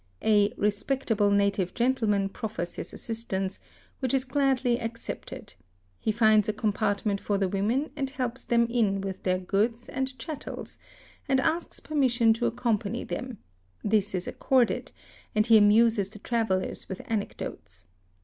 A "respectable native gentleman"' profers his assistance, "which is gladly accepted: he finds a compartment for the women and helps them in with their goods and chattels, and asks permission to accompany f hem: this is accorded, and he amuses the travellers with anecdotes.